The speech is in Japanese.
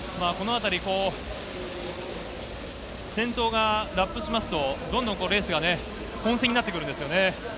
先頭がラップしますと、どんどんレースがね、混戦になってくるんですよね。